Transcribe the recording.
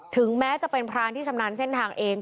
ถึงแม้จะเป็นพรานที่ชำนาญเส้นทางเอง